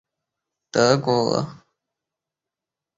于是单独带着军队渡过黄河。